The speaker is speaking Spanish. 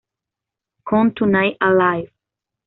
Con Tonight Alive